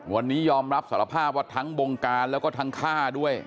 วันนี้ยอมรับสารภาพว่าทั้งบงการแล้วก็ทั้งฆ่าด้วย